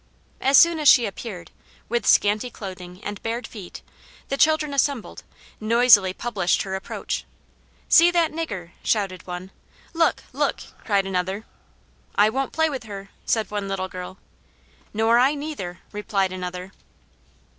As soon as she appeared, with scanty clothing and bared feet, the children assembled, noisily published her approach: "See that nigger," shouted one. "Look! look!" cried another. "I won't play with her," said one little girl. "Nor I neither," replied another.